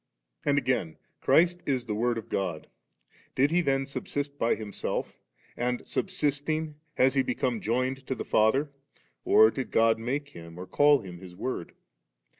And again, C3irist is the Word of God Did He then subsist by Himself and subsisting, has He become joined to the Father, or did God make Him or call Him His Word